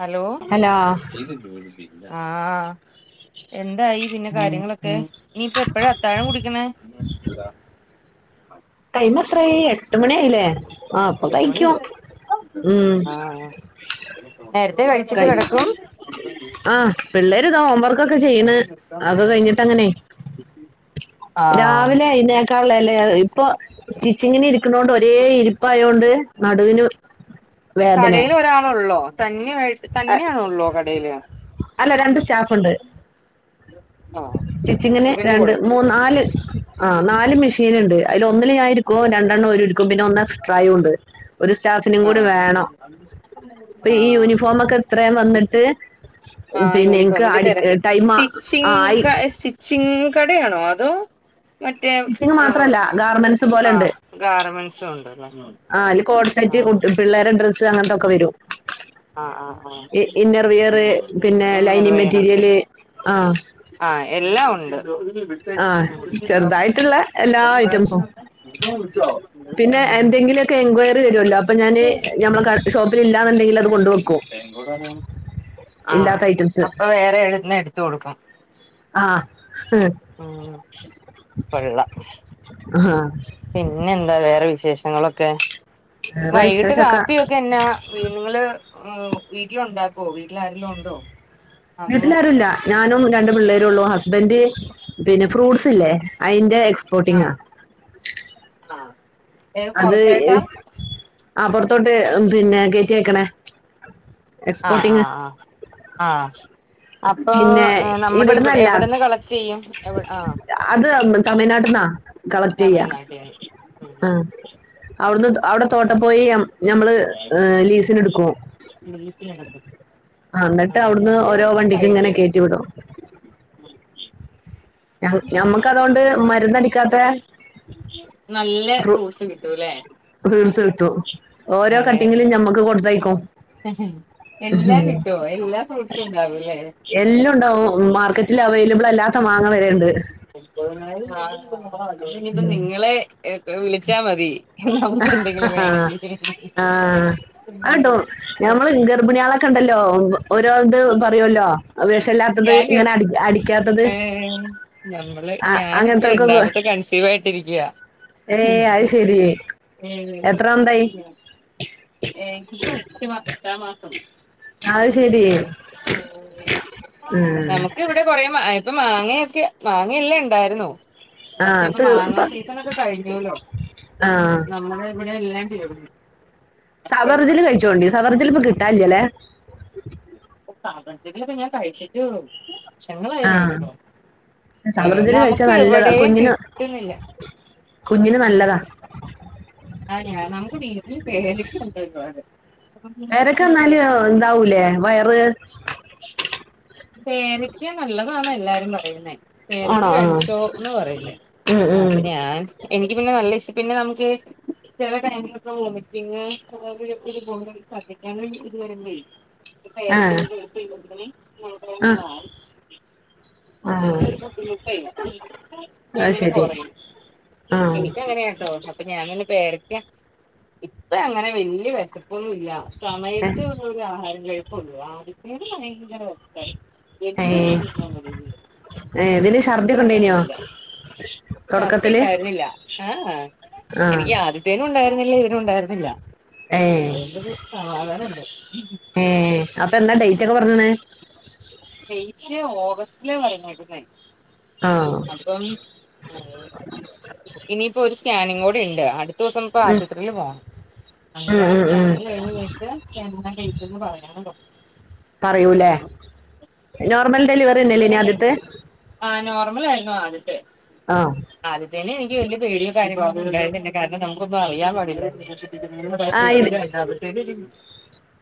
Hello ആഹ് എന്തയി പിന്നെ കാര്യങ്ങളൊക്കെ ഇനിയിപ്പ എപ്പഴാ അത്താഴം കുടിക്കണേ?. ടൈം എത്രായി എട്ട് മണിയായില്ലേ. ആഹ് ഇപ്പോ എട്ട് കയ്ക്കും മണിയായി ഉം ആഹ് നേരത്തെ കഴിച്ചിട്ട് കഴിച്ചു കിടക്കും. ആ പിള്ളേര് ഇതാ ഹോംവർക്കൊക്കെ ചെയ്യ്ണ്. അത് കഴിഞ്ഞിട്ട് അങ്ങനെ ആഹ് രാവിലെ എയ്നേല് ക്കാൻള്ളേല്ലേ ഇപ്പൊ സ്റ്റിച്ചിങ്ങിന് ഇരിക്കുന്നോണ്ട് ഒരേ ഇരിപ്പായതൊണ്ട് നടുവിന് വേദന കടയിൽ ഒരാളൊള്ളോ തന്നെ തന്നെയാണോള്ളോ കടയിൽ. അല്ല രണ്ട് സ്റ്റാഫുണ്ട്. ആഹ് സ്റ്റിച്ചിങ്ങിന് അപ്പൊ പിന്നെ രണ്ട് മൂ കൊഴപ്പ നാല് ആ നാല് മെഷീൻ ഉണ്ട് അയ്ല് ഒന്നില് ഞാൻ ഇര് ക്കും രണ്ടെണ്ണം ഒര് ഇര്ക്കും പിന്നെ ഒന്ന് എസ്ട്രായുംണ്ട്. ഒരു സ്റ്റാഫിനിം കൂടി ആഹ് വേണം. ഇപ്പൊ ഈ ആഹ് യൂണിഫോമക്കെ ഇത്രയും വന്നിട്ട് പിന്നെ എനിക്ക് അടി ടൈമാ [unintelligible] സ്റ്റിച്ചിംഗ് കടയാണോ അതോ മറ്റേ സ്റ്റിച്ചിംഗങ് മാത്രമല്ല, ഗാർമെന്റ്സ് പോലെണ്ട് ആഹ് ഗാർമെന്റ്സും ഉണ്ടല്ലേ ആ അയ്ല് കോഡ്സെറ്റ് കു ആഹ് പിള്ളേര്ടെ ഡ്രസ്സ്. അങ്ങനത്തൊക്കെ വരും. ആഹ് ആഹ് ആഹ് ഇ ഇന്നർ വിയറ് പിന്നെ ഇങ്ങനെ ലൈനിങ് മെറ്റീരിയല് ആഹ് ആഹ് എല്ലാം ഉണ്ട്. ആ ചെറുതായിട്ടുള്ള എല്ലാ ഐറ്റംസും [inaudible] പിന്നെ എന്തെങ്കിലുമൊക്കെ എൻക്വയറി വരുമല്ലോ. അപ്പൊ ഞാന് ഞമ്മളെ കട ഷോപ്പിൽ ഇല്ലാന്നുണ്ടെങ്കിൽ അത് കൊണ്ട് വെക്കും. ആഹ് അപ്പൊ വേറെ എവ്ട്ന്നെ എടുത്ത് കൊടുക്കും. ആഹ് ഹ് ഉം ആഹ് പിന്നെന്താ വേറെ വിശേഷങ്ങളൊക്കെ. വേറെ വൈകിട്ട് വിശേഷമൊക്കെ കാപ്പിയൊക്കെ എന്നാ. നിങ്ങള് വീട്ടില് ഉണ്ടാക്കൊ? വീട്ടിൽ ആരെലും ഉണ്ടോ? അതോ വീട്ടിലാരുംല്ല ഞാനും രണ്ട് പിള്ളേരും ഒള്ളൂ ഹസ്ബൻഡ് പിന്നെ ഫ്രൂട്ട്സ് ല്ലേ അയിന്റെ എക്ഷ് ആഹ് ആഹ് അത് ആ പൊറത്തോട്ട് പിന്നെ കേറ്റി അയ്ക്കണേ അഹ് അഹ് ആഹ് ആഹ് അപ്പൊ പിന്നെ നമ്മുടെ ഇവിടെ ഇവിടുന്നല്ല എവിട്ന്ന് കളക്ട് ചെയ്യും. എവ് ആഹ് അത് തമിഴ്നാട്ടിന്നാ. കളക്ട് ചെയ്യാ തമിഴ്നാട്ടിൽന്ന് ഉം ആ അവിടുന്ന് അവിടെ തോട്ടം പോയി ഞമ്മള് ലീസിന് എട്ക്കും [unintelligible] നടക്കും ആ ന്നട്ട് അവ്ട്ന്ന് ഓരോ കഴിക്ക വണ്ടിക്ങ്ങനെ കേറ്റി വിടും. ഞമ്മക്ക് അതോണ്ട് മരുന്നടിക്കാത്ത നല്ല ഫ്രൂട്ട്സ് കിട്ടുംല്ലേ ഫ്രൂട്സ് കിട്ടും ഓരോ കട്ടിങ്ങിലും ഞമ്മക്ക് കൊടുത്തയ്‌കും എല്ലാം കിട്ടോ എല്ലാ ഫ്രൂട്ട്സും ഉണ്ടാവൂല്ലേ എല്ലുംണ്ടാവും. മാർക്കറ്റിൽ അവൈലബിൾ അല്ലാത്ത മാങ്ങ വരെണ്ട് ഇനിപ്പം നിങ്ങളെ ഏ വിളിച്ചാ മതി നമുക്ക് ആ എന്തെങ്കിലും വേണമെങ്കിൽ ആ ആട്ടോ ഞമ്മൾ ഗർഭിണിയള ണ്ടല്ലോ ഓരോത് പറയൊല്ലോ വെഷല്ലാത്തത് ഇങ്ങനെ അടി അടി ഏഹ് നമ്മള് ആ- ഞാനിപ്പ അങ്ങനത്തെവർക്കൊക്കെ രണ്ടാമത്തെ കൺസീവാ യിട്ടിരിക്കയാ. ഏയ് അയ് ശരി. ഏ എത്ര എന്തായി ഏ [unintelligible] ക്കപ്പം എട്ട്മാസം എട്ടാം മാസം അത് ശരി ഉം. കൊറെ മാ ഇപ്പൊ മാങ്ങൊക്കെ മാങ്ങല്ലേ ണ്ടായിരുന്നു. ആ പക്ഷെ ഇപ്പൊ തീർ- മാങ്ങ സീസൺ ഒക്കെ കഴഞ്ഞൊല്ലോ ആ നമ്മള് ഇവിടെ എല്ലാം തീർന്നു.. അപ്പം സബർജല്ലി കഴിച്ചോണ്ടി സബർജിൽപ്പൊ കിട്ടാല്ല്യലെ? സബർജല്ലിയൊക്കെ ഞാൻ കഴിച്ചിട്ടു വർഷങ്ങളായിന്നു എനക്ക്തോന്നെ.. സബർജല്ലി കഴിച്ചാ നല്ലതാ കുഞ്ഞിന് കിട്ടുന്നില്ല കുഞ്ഞിന് നല്ലതാ. ആ ഞാൻ നമുക്ക് വീട്ടിൽ പേരക്കണ്ട് ഒരുപാട്. അപ്പം ഇങ്ങനെ പേരക്കന്നാല് പേരക്ക നല്ല എന്താവൂലേ വയറ്? പേരക്ക നല്ലതാ ന്നാ എല്ലാരും പറയുന്നേ- പേരക്ക ആണോ ആ കഴിച്ചോന്ന് പറയുന്ന ഉം അ ഉം ഞാൻ എനിക്ക് പിന്നെ നല്ല ഇഷ പിന്നെ നമുക്ക് ചെല ടൈമൊക്കെ ഒമിറ്റിങ് [unintelligible] ശർദ്ധിക്കാന് ഇത് രിമ്പഴേ ഒരു ആ പേരക്കങ്ങനേ എടുത്ത് തിന്നു ആ [unintelligible] ആ ഒരു അത് ബുദ്ധിമുട്ടെയിങ്ങനെ ശരി കൊറയും. ആ എനിക്കങ്ങനെയാട്ടോ അപ്പൊ ഞാനങ്ങ്. പേരക്കാ ഇപ്പ അങ്ങനെ വല്ല്യ വെശൊപ്പൊന്നും ഇല്ല സമയത്ത് ആഹാരം കേഴപ്പുല്ല ആദ്യത്തേന് ഭയങ്കര വെശപ്പയിന് ഏ ഏ എന്ത് തിന്നാ മ ഏ ഇതിന് ഛർദിയൊക്കെ ഉണ്ടേനിയോ പിന്നേങ്ങനീല്ല ഛർദി തുടക്കത്തില് ഉണ്ടായിരുന്നില്ല ആഹ്. ആ എനിക്ക് ആദ്യത്തേനും ഉണ്ടായിരുന്നില്ല ഇതിനും ഉണ്ടായിരുന്നില്ല. ഏഹ് അതുകൊണ്ടൊരു സമാധാനമുണ്ട് ഏഹ് അപ്പൊ എന്നാ ഡേറ്റ് ഒക്കെ പറഞ്ഞണ്? ഡേറ്റ് ഓഗസ്റ്റില പറഞ്ഞേക്കുന്നെ. ആഹ്. അപ്പം ഇനിയിപ്പോ ഒരു സ്കാനിംഗ് കൂടെ ഇണ്ട് അടുത്ത ദിവസം ഇപ്പ ഉം ആശുപത്രി പോണം അങ്ങന ഉം ആ ഉം ഉം സ്കാനിൽ ഴിഞ്ഞ് കഴിഞ്ഞിട്ട് എന്ന ഡേറ്റ്പറയാ പറയൂല്ലേ നോർമൽ ഡെലിവറി തന്നെയല്ലേ ഇനി ണ്ടേ ആദ്യത്തെ ആഹ് നോർമല ആയിരുന്നു ആദ്യത്തേ. ആഹ് ആദ്യ തന്നെ എനിക്ക് വല്യ പേടിയോ കാര്യോങ്ങളോന്നുണ്ടായില്ല കാരണം നമുക്കൊന്നും അറിയാൻ പാടില്ലാർന്നു. ആ ഇത് [unintelligible] രണ്ടാമത്തെ തിന്..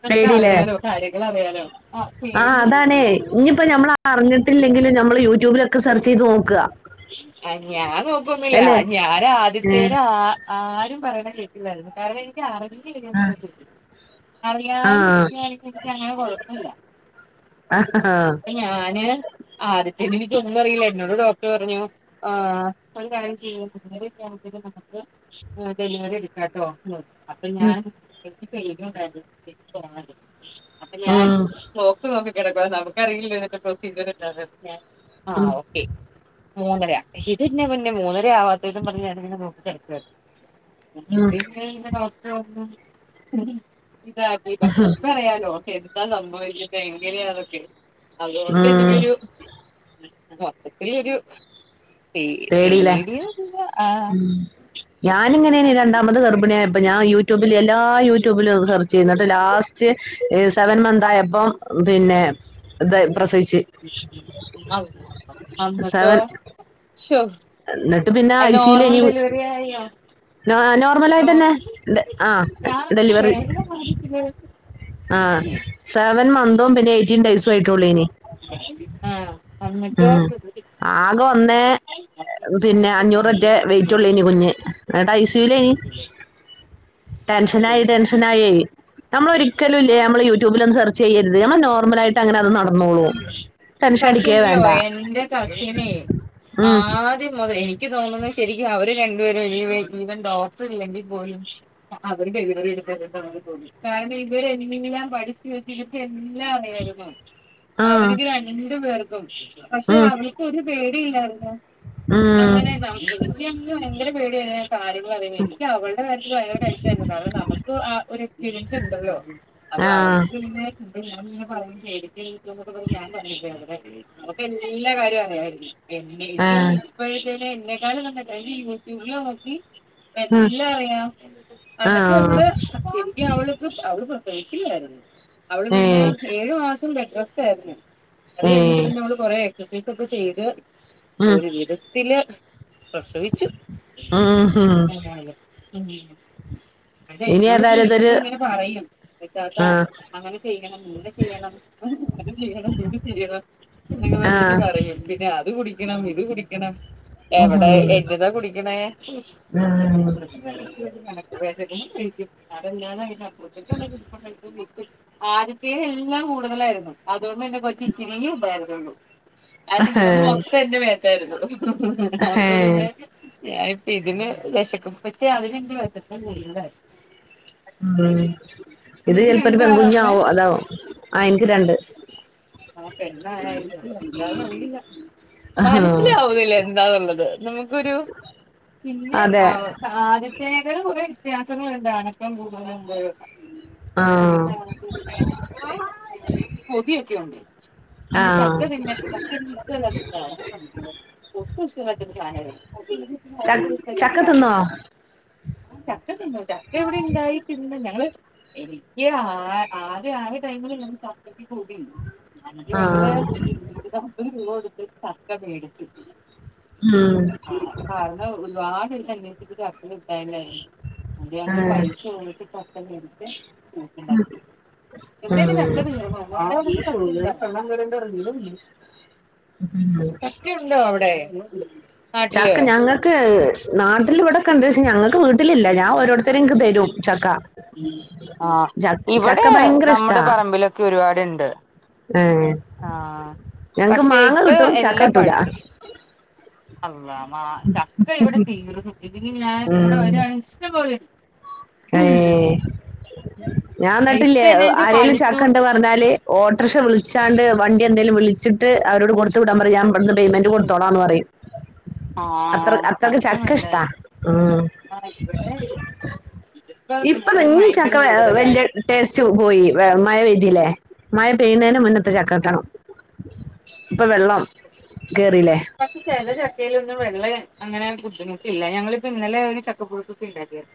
നമുക്ക് പേടിയില്ലേ അറിയാലോ കാര്യങ്ങൾ അറിയാലോ ആ പേടി ഒന്നും എ ഇനിയിപ്പോ ഞമ്മള അറിഞ്ഞിട്ടില്ലെങ്കിലും നമ്മള് യൂട്യൂബിലൊക്കെ സെർച്ച് ചെയ്ത് നോക്ക ആഹ് ഞാൻ നോക്കുന്നില്ല ഞാൻ ഉം ആദ്യത്തേന് ആ ആരും പറയണ കേട്ടില്ലായിരുന്നു കാരണം എനിക്ക് അറിയാം അറിയാതെ ആഹ് ഇരിക്കയാണെങ്കിൽ എനിക്ക് അങ്ങനെ കുഴപ്പില്ല. ആ ആഹ ഹ.. ഞാന് ആദ്യത്തെന് എനിക്കൊന്നും അറിയില്ല എന്നോട് ഡോക് ക്ട്ർ പറഞ്ഞു ആഹ് ഒരു കാര്യം ചെയ്യിം [unintelligible] നമുക്ക്. ആഹ് ഡെലിവറി എടുക്കാട്ടോ എന്ന്റഞ്ഞു അപ്പൊ ഞാൻ എനിക്ക് പേടി ഉണ്ടായിനു പൈനും ഉണ്ടായിന്നു അപ്പം ഞാൻ ഉം ത്ത് നോക്കി കെടക്കാ നമുക്ക് അറിയല്ലല്ലോ പ്രോസീചർ എന്താന്ന് ഉം ആഹ് ഒക്കെ മൂന്നര ഇതെന്താ പൊന്നെ മൂന്നര ആവാത്തേ പറഞ്ഞ്ഞാനിങ്ങനെ നോക്കി കടക്കാണ്. [unintelligible] ഉം വെയിറ്റ് ഇങ്ങനെ ഡോക്ടർ വന്നു ഉം ഇതാ [unintelligible] അറിയാലോ എന്താ സംഭവം എങ്ങനെയാ ഇതെങ്ങനേയാന്നൊക്കെ. അതുകൊണ്ട് ഉം എനിക്കൊരു മൊത്തത്തിലൊരു പേ പേടില്ലേ പേടിയൊന്നുല്ല ആ ഉം ഞാനിങ്ങനെയാണ് രണ്ടാമത് ഗർഭിണിയായപ്പൊ ഞാൻ യു യൂട്യൂബില് എല്ലാ യൂട്യൂബിലും സെർച്ച് ചെയ്തു ലാസ്റ്റ് സെവൻ മന്ത് ആയപ്പോ പിന്നെ ഇത് പ്രസവിച്ച് ഔ അന്ന്ട്ടോ സെവൻ ശോ എന്നിട്ട് പിന്നെ ഐ സി നോർമൽ യുലെയ്നി ഡെലിവറി ആയോ നോർമൽ നോ ആയിട്ട് തന്നെ ആഹ് ഞാനത്ര ഡെലിവറി വേദന ബാധിച്ചില്ല ആഹ് സെവൻ മന്തും പിന്നെ എയ്റ്റ് എയിട്ടീൻ ഡേയ്സും ആയിട്ടള്ളൂ ഇനി ആ ആഹ് എന്നിട്ടോ ആകെ ഒന്നേ പക്ഷെ പിന്നെ അഞ്ഞൂറ എറ്റേ വെയിറ്റ് ഒള്ളേയ്ന്നു കുഞ്ഞ് എന്നിട്ട് ഐ സി യു വിലേയ്ന്നു ടെൻഷനായി ടെൻഷനായി നമ്മള് ഒരിക്കലും ഇല്ലേ നമ്മള് യൂട്യൂബില് ഒന്നും സെർച്ച് ചെയ്യരുത് നമ്മള് നോർമലായിട്ട് അങ്ങനെ അത് നടന്നോളൂം പക്ഷേ ഇണ്ടല്ലോ എന്റെ കസിന് ഉം ആദ്യം മുതൽ എനി ഇക്ക് തോന്നുന്നത് ശരിക്കും അവര് രണ്ടുപേരും ഈവൻ ഡോക്ടർ ഇല്ലെങ്കിൽ പോലും അവര് ഡെലിവറി എടുത്തേന്നു തോന്നിപോയി കാരണം ഇവര് എല്ലാം പഠി [unintelligible] എല്ലാം അറിയായിരുന്നു ആ അവർക്ക് രണ്ടു പേർക്കും പക്ഷെ അവർ ഉം അവർക്ക് ഒരു പേടിയില്ലായിരുന്നു. ഉം അങ്ങനെ നമ്മ ഇക്കാണെങ്കിൽ ഭയങ്കരം പേടിയായിന്നു കാര്യങ്ങള് അറിയില്ലാരുന്നു എനിക്ക് അവളുടെ കാര്യത്തില് ഭയങ്കര [unintelligible] അ നമുക്ക് ആ ഒരു എക്സ്പീരിയൻസ് ഉണ്ടല്ലോ അപ്പൊ ആ അവർക്ക് തന്നെ അപ്പൊ ഞാനിങ്ങനെ പറയും ശരി [unintelligible] അവക്ക് എല്ലാ കാര്യവും അറിയായി രുന്നു ആ എനിക്കൊണ ഇത് ഇപ്പോഴത്തെ എന്നെ എന്താല വന്ന കൈ യൂട്യുബില് നോക്കി ഉം എല്ലാം അറിയാം ആ എന്നിട്ട് അവള് ശരിക്കു അവള് അവള് പ്രസവിക്കില്ലായിരുന്നു അവള് ഏ പിന്നെ ഏഴു മാസം ബെഡ് റസ്റ്റ് ആയിരുന്നു അത് ഏ കഴിഞ്ഞിട്ട് പിന്നെ അവള് കൊറെ എക്സസൈസ് ഒക്കെ ചെയ്ത് ഉം ഒരു വിധത്തില് പ്രസവിച്ചു ഉം ഹും ഏതായാലും ഉം അല്ലേ ഇനി എന്നോട് ഏതായാലും ഇതൊരു വിളിക്കുമ്പോ ഇങ്ങനെ പറയും സുനിതാത്ത ആ അങ്ങനെ ചെയ്യണം ഇങ്ങനെ ചെയ്യണം അത് ചെയ്യണം ഇത് ചെയ്യണം എന്നൊക്കെ ആ പറഞ്ഞിട്ട് പറയും പിന്നെ അത് കുടിക്കണം ഇത് കുടിക്കണം ഉം എവിടെ എന്നാതാ കുടിക്കണേ വേണ്ടത് കഴിക്കും കാരണം ഞാൻ അയിന് അപ്പുറത്തേക്കു ഭക്ഷണം ആദ്യത്തേല് എല്ലാം കൂടുതലായിരുന്നു അതുകൊണ്ട് തന്നെ കൊച്ച് ഇച്ചിരി ഉണ്ടായിരുന്നുള്ളൂ ആ തിന്നത് ഉം മൊത്തം എന്റെ മേത്തായിരുന്നു അപ്പൊ ഹേഹ് പിന്നെ ഞാൻ ഇപ്പ ഇതിന് വിശക്കുമ്പോ പക്ഷെ അതിന് വിശപ്പ് കൂടുതലായിന്നു ഉം ഇത് നിങ്ങക്ക് ചിലപ്പോ ഒരു പെൺകുഞ്ഞ് രണ്ടാളാണുള്ളെ ആവും അതാവും ആഹ് എനിക്ക് രണ്ട് ആ പെണ്ണായ എന്താന്നന്ന് അറിയില്ല ആഹാ മനസ്സിലാവുന്നില്ല എന്താന്നു ഉള്ളത് നമക്കൊരു പിന്നെ അതെ അവ ആദ്യ പ്രത്യേകര ഒരു വ്യത്യാസങ്ങളുണ്ട്ണ് അനക്കം കൂടുതലുണ്ട് ആഹ് പെതിയൊക്കെ ഉണ്ട് ആഹ് [unintelligible] [unintelligible] [unintelligible] ച ചക്ക തിന്നോ ചക്ക തിന്നു ചക്ക ബവിടെ ഇണ്ടായി തിന്നു ഞങ്ങള് എനിക്ക് ആ ആദ്യ ആയ ടൈമിൽ ഞാൻ ചക്കക്ക് പൂതി അ ഞങ്ങള് ആഹ് ഇരൂനൂറ്റി നാപ്പത് രൂപ കൊടുത്ത് ചക്ക മേടിച്ചു ആഹ് ആ കാരണം ഒരുപാട് അന്വേഷിച്ചട്ട് [unintelligible] [unintelligible] അ ഞങ്ങള് ആഹ് [unintelligible] പക്കം ന [unintelligible] ഇവിടെയൊക്കും ഉം ചക്ക [unintelligible] [unintelligible] ചക്കയുണ്ടോ അവിടെ നാട്ടില് ചക്ക് ഞങ്ങക്ക് നാട്ടിൽ ഇവിടെ കെണ്ട് പക്ഷേ ഞങ്ങൾക്ക് വീട്ടിലില്ല ഞാൻ ഓരോരുത്തരും എനിക്ക് തരും ചക്ക ആഹ് ച ചക്ക ഇവിടെ ഭയങ്കര ഇഷ്ടാ നമ്മുടെ പറമ്പിലൊക്കെ ഒരുപാടുണ്ട് ഏഹ് ആഹ് ഞങ്ങക്ക് പക്ഷേ മാങ്ങ ഇപ്പ കിട്ടും ചക്ക എല്ലാം കിട്ടൂല പഴുത്തു അള്ളാഹ് മാ ചക്ക ഇവിടെ തീർന്ന ഇല്ലങ്കിൽ ഞാൻ ഇവിടെ ഉം വരാണ് ഇഷ്ട്ടം പോലേയി ഏഹ് ഞാൻ ഇപ്പ നട്ടില്ലേ എന്നാച്ചാ ആരെലും പഴുത്തു ചക്കണ്ട വ ഞ്ഞാല് ഓട്ടോറിക്ഷ വിളിച്ചാണ്ട് വണ്ടി എന്തലും വിളിച്ചിട്ട് അവരോ കൊടുത്തു വിട്ടാൻ പറ ഞാൻ വിടുന്നു പേമെന്റ് കൊടുത്തോളാന്ന് പറയും അത്ര ആഹ് അത്രയ്ക്ക് ചക്ക ഇഷ്ടാ നല്ലതായി ആഹ് ഇവിടെ ഇതിപ്പോ ദൂരം ഇപ്പതെങ്ങു ഭയങ്കര ചക്ക വല്യ കൂടുതലായി ടെസ്റ്റ് പോയി മഴ പെയതില്ലേ മഴ പെയ്യുന്നതിന് മുന്നത്തെ ചക്കകിട്ടണം ഇപ്പൊ വെള്ളം കേറില്ലേ പക്ഷേ ചെല ചക്ക എന്റായിലുള്ള വെള്ള അങ്ങനെ ബുദ്ധിമുട്ടില്ല ഞങ്ങളിപ്പോ ഇന്നലെ ഒരു ചക്കപ്പുഴുക്കൊക്കെ ണ്ടാക്കിയാരു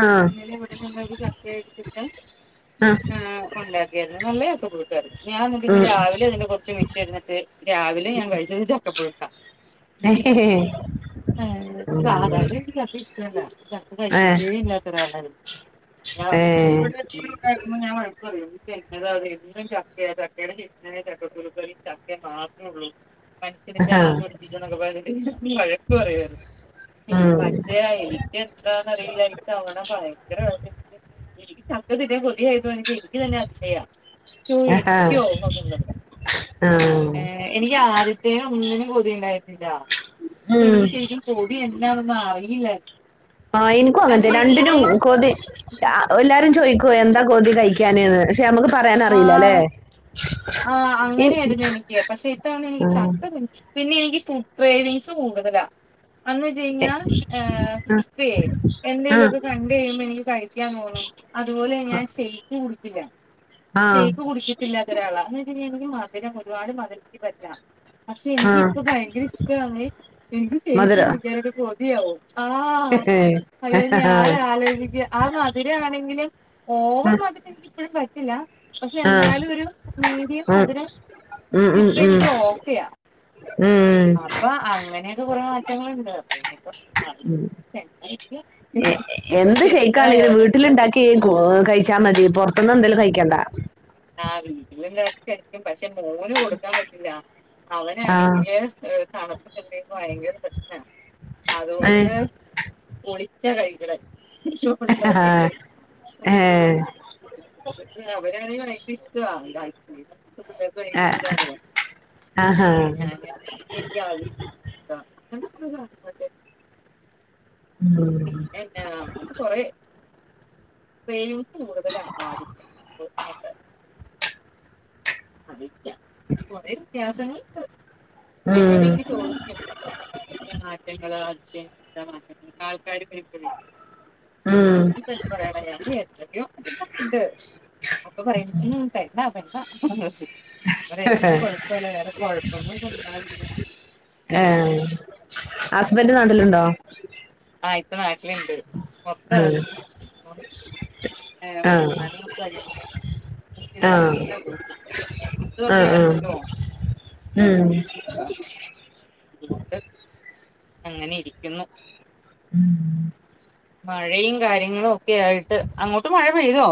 ആ ഇന്നലെ ഇവിടുന്നൊരു ചക്കടുത്തിട്ട് ആ, ഏഹ് കൊണ്ടയി എന്തുന്നല്ല ചക്കപ്പുഴുക്കാരുന്നു ഞാൻ എന്നിട്ട് ഉം. ഇന്നു ഉം. രാവിലെ അതിന്റെ കുറച്ച് എന്നിട്ട് രാവിലെ ഞാൻ കഴിച്ചത് ചക്കപ്പുഴു ഏഹ് ഹേ ഹേ സാധാരണ എനിക്ക് ചക്ക ഇഷ്ടല്ല ചക്ക കഴിച്ചിട്ടേ ഇല്ലാത്തൊരാളാരു ഏഹ് ട്ടിലുണ്ടാക്കുമ്പോൾ ഞാൻ വഴക്കുപറയും ഇതെന്നുതന്നെ എന്നും ചക്കയ ചക്കയുടെ സൺ ആയ ചക്കക്കുരുക്കറി ച തു മാത്രള്ളൂ മന ആഹാ. ഭ്രാന്തു പിടിപ്പിക്കുന്ന ഒക്കെ പറഞ്ഞു [unintelligible] വഴക്ക് പറയാരുന്നു ഉം. പക്ഷേ ആയി എന്താന്നറിയില്ല എനിക്കവിടെ പയങ്കര [unintelligible] എനിക്ക് തന്നെ [unintelligible] ആഹാ. എനിക്കോ അതൊള്ളത് ആ. എനിക്ക് ആദ്യത്തേന് ഒന്നിനും കൊതിണ്ടായിരുന്നില്ല ഇപ്പൊ ഉം എനിക്ക് ശരിക്കും കൊതി തി എന്തനോന്നും അറിയില്ല ആഹ് എനിക്കും എന്ത് അങ്ങനത്തന് ഇങ്ങനെ രണ്ടിനും കൊതി എല്ലാരും ചോയ്ക്കോ എന്താ കൊതി കഴിക്കാനന്ന് ക്ഷെ നമുക്ക് പറയാനറിയില്ലല്ലേ ആഹ് അങ്ങനെയാരുന്നു എനിക്ക് പക്ഷെ ഇത്തവണനിക്ക് ചക്ക പിന്നെ എനിക്ക് ഫുഡ് പ്രേവിങ്സ് കൂടുതലാ അന്ന് വെച്ച എ- കഴിഞ്ഞാൽ അഹ് ഇപ്പയേ ആ എന്തെലു ഒക്കെ കണ്ട കഴിയുമ്പോ എനിക്ക് കഴിക്കാൻ തോന്നും അതുപോലെ ഞാൻ ഷെയ്ക്ക് കുടിക്കില്ല ആ ഷെയ്ക്ക് കുടിച്ചിട്ടില്ലാത്തൊരാളാ അന്ന് വെച്ച് കഴിഞ്ഞാൽ നീക്ക് മധുരം ഒരുപാട് മധുരം എനിക്ക് പറ്റില്ല പക്ഷെ ആ എനിക്ക്പ്പ ഭയങ്കര ഇഷ്ടമാണ് എനിക്ക് മധുര ചേയിച്ചച്ച് കുടിക്കാനൊക്കെ കൊതിയാവും ആ അയ്യോ ഞാന് ആലോചിക്കുക ആ മധുരയാണെങ്കില് ഓവർ ഉം, മധുരം എനിക്ക് ഇപ്പോഴും പറ്റില്ല പക്ഷെ ആ, എന്നാലും ഒരു മീഡിയം ഉം, മധുരം ഉം, ഇട്ട ഉം, ഉം, എനിക്ക് ഓക്കെയാ ഉം. അപ്പൊ അങ്ങനെയൊക്കെ കുറേ മാറ്റങ്ങൾുണ്ട് പ്പോ [unintelligible] എ- എന്ത് ശയിക്കാണെങ്കിലും വീട്ടിലുണ്ടാക്കി കഴിച്ചാ മതി പുറത്തൊന്നും എന്തേലും കഴിക്കണ്ട ആ വീട്ടില കടിക്കും പക്ഷെ മോന് കൊടുക്കാൻ പറ്റൂല്ല ആ അവനാണെങ്കില് തണുപ്പ കണ്ടുന്നത് ഭയങ്കര പ്രശ്നാ ഏ, അതുകൊണ്ട് ഒളിച്ച കൈകണേ ഹ് ഹ് ഹാ ഏഹ് അവരാണെങ്ക ഭയങ്കര ഇഷ്ട ആ, [unintelligible] ആഹാ [unintelligible] നിക്ക് [unintelligible] ഉം പി നമ്മ കൊറ [unintelligible] കൂടുതല ആദ്യ [unintelligible] അതിക്ക കൊറെ വ്യത്യാസങ്ങൾ ഉണ്ട് ഉം എന്നോട് എനിക്ക് ചോദി ക്കും മാറ്റങ്ങ അഛ എാ മാറ്റങ്ങ ആൾക്കാർ എന ഉം ണ്ട് അപ്പൊ പറയണ്ടോ [unintelligible] അ എന്ത കൊഴപ്പല്ല വേറെ കൊഴപ്പ [unintelligible] ഏഹ് ഹസ്ബൻഡ് നാട്ടിലുണ്ടോ ആഹ ഇപ്പ നാട്ടിലുണ്ട് ആഹ് ആഹ് യ [unintelligible] ആഹ് ഇതൊക്കെ ആഹ് ആഹ് ഉം ആ [inaudible] ഉണ്ട് അങ്ങനെ ഇരിക്കുന്നു ഉം മഴയും കാര്യങ്ങളും ഒക്കെ ആയിട്ട് അങ്ങോട്ട് മഴ പെയ്തോ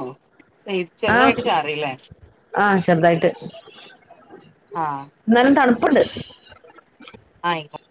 ആഹ് ചെറുതായിട്ട് ചാറില്ലേ ആഹ് ചെറുതായിട്ട് ആഹ് എന്നാലും തണുപ്പുണ്ട് ആയിക്ക